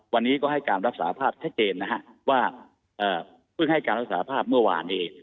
วันนี้ก็ให้การรับสาภาพชัดเจนนะฮะว่าเพิ่งให้การรักษาภาพเมื่อวานนี้